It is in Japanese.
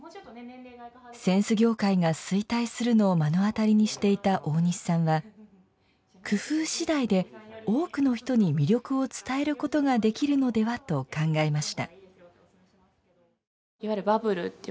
扇子業界が衰退するのを目の当たりにしていた大西さんは工夫次第で多くの人に魅力を伝えることができるのではと考えました。